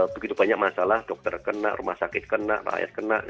begitu banyak masalah dokter kena rumah sakit kena rakyat kena